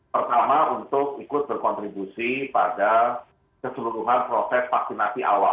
pertama untuk ikut berkontribusi pada keseluruhan proses vaksinasi awal